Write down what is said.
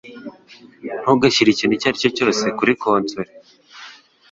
Ntugashyire ikintu icyo aricyo cyose kuri konsole.